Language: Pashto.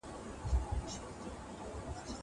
خبري د زده کوونکي له خوا کيږي.